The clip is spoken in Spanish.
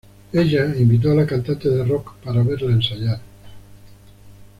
Ella invitó a la cantante de rock para verla ensayar.